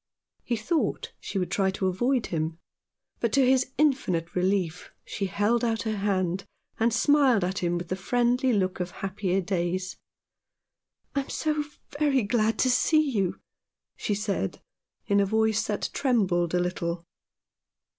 He thought she would try to avoid him ; but to his infinite relief she held out her hand, and smiled at him with the friendly look of happier days. " I am so very glad to see you," she said in a voice that trembled a little.